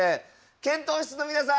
検討室の皆さん！